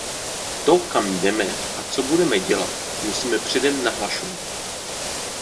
To, kam jdeme a co budeme dělat, musíme předem nahlašovat.